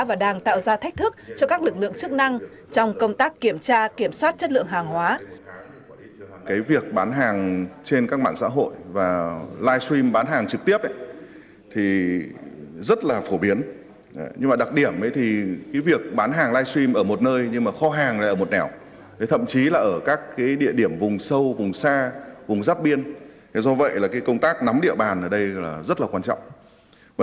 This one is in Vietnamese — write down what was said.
và đang tạo ra thách thức cho các lực lượng chức năng trong công tác kiểm tra kiểm soát chất lượng hàng hóa